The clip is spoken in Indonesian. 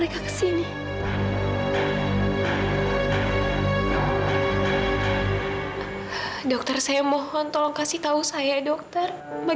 insya allah eka